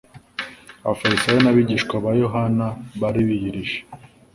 Abafarisayo n'abigishwa ba Yohana bari biyirije